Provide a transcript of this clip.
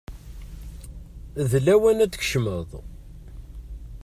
D lawan ad tkecmeḍ.